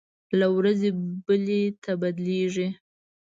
له ورځې بلې ته بدلېږي.